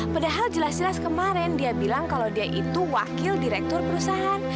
padahal jelas jelas kemarin dia bilang kalau dia itu wakil direktur perusahaan